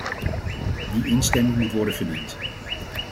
Die instemming moet worden verdiend.